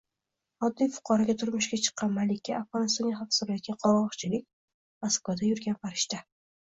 Oddiy fuqaroga turmushga chiqqan malika, Afg‘onistonga xavf solayotgan qurg‘oqchilik, Moskvada yurgan farishta